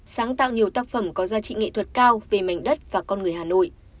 sáng tạo nhiều tác phẩm có giá trị nghệ thuật cao về mảnh đất và con người hà nội